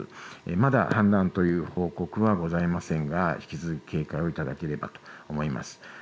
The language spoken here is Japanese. まだ氾濫という報告はございませんが引き続き警戒をしていただければと思います。